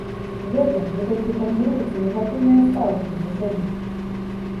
Гэтым вы толькі фарміруеце негатыўнае стаўленне да сябе.